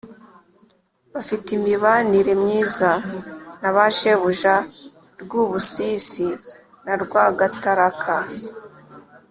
Bafite imibanire myiza na ba shebuja Rwubusisi na Rwagataraka